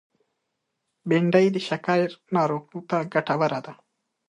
بېنډۍ د شکر ناروغو ته ګټوره ده